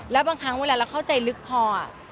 แล้วบางครั้งเวลาเราเข้าใจลึกพอ